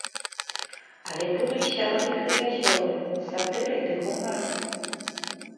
Але будуць сярод іх і вясёлыя, з сатырай ды гумарам.